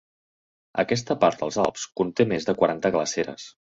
Aquesta part dels Alps conté més de quaranta glaceres.